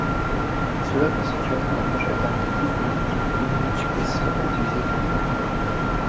Cela constituerait une approche alternative aux médicaments immunosuppresseurs utilisés actuellement.